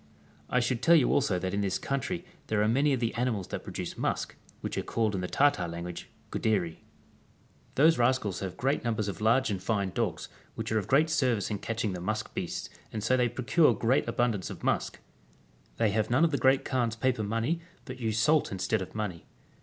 I should tell you also that in this countrv there are many of the animals that produce musk, which are called in the Tartar language Gndderi. Those rascals have great Chap. XLV. THE PROVINCE OF TEBET. 29 numbers of large and fine dogs, which are of great service in catching the musk beasts, and so they procure great abundance of musk. They have none of the Great Kaan's paper money, but use salt instead of money.